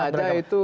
iya tentu saja itu